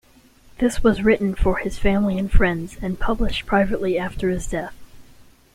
This was written for his family and friends, and published privately after his death.